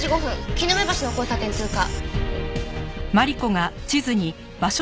絹目橋の交差点通過。